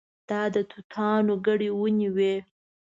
دا د توتانو ګڼې ونې وې.